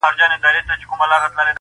تا ته به ډلي په موسکا د سهیلیو راځي!